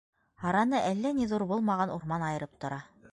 Араны әллә ни ҙур булмаған урман айырып тора.